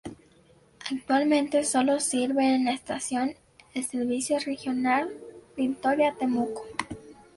Actualmente solo sirve en la estación el servicio Regional Victoria-Temuco.